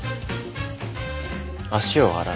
足を洗う。